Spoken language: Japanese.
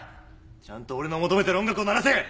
ちゃんと俺の求めてる音楽を鳴らせ！